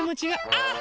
あっ！